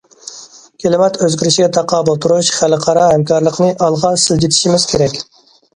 كىلىمات ئۆزگىرىشىگە تاقابىل تۇرۇش خەلقئارا ھەمكارلىقىنى ئالغا سىلجىتىشىمىز كېرەك.